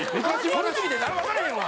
古すぎて誰もわからへんわ。